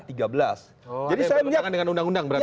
oh ini berhubungan dengan undang undang berarti